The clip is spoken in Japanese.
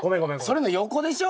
それの横でしょ。